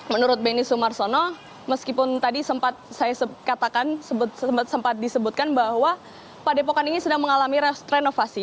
menurut beni sumarsono meskipun tadi sempat saya katakan sempat disebutkan bahwa padepokan ini sedang mengalami renovasi